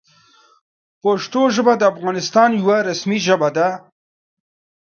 پښتو ژبه د افغانستان یوه رسمي ژبه ده.